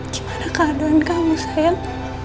gimana keadaan kamu sayang